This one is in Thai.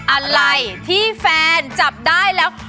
อะไรที่แฟนจับได้แล้ว